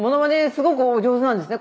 すごくお上手なんですね」